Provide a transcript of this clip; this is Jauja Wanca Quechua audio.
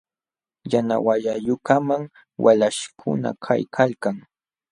Yana wayayuqkamam walaśhkuna kaykalkan.